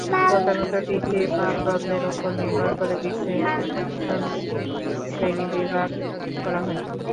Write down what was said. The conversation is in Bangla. প্রধানত তিনটি মানদণ্ডের উপর নির্ভর করে বিশেষণের শ্রেণীবিভাগ করা হয়।